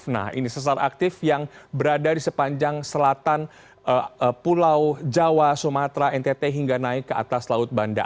nah ini sesar aktif yang berada di sepanjang selatan pulau jawa sumatera ntt hingga naik ke atas laut banda